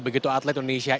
begitu atlet indonesia